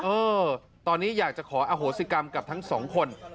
เออตอนนี้อยากจะขออโหสิกรรมกับทั้งสองคน